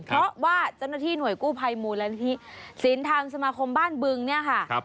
เพราะว่าเจ้าหน้าที่หน่วยกู้ภัยมูลนิธิศีลธรรมสมาคมบ้านบึงเนี่ยค่ะ